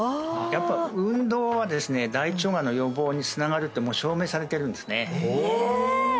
やっぱ運動はですね大腸がんの予防につながるってもう証明されてるんですねお！